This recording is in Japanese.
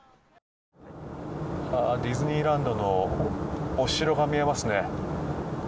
ディズニーランドのお城が見えますね。